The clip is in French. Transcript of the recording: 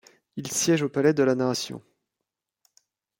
Il siège au palais de la Nation.